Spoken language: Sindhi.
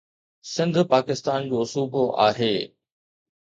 سنڌ پاڪستان جو صوبو آهي.